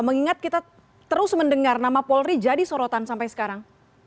mengingat kita terus mendengar nama polri jadi sorotan sampai sekarang